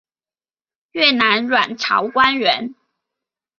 越南阮朝官员。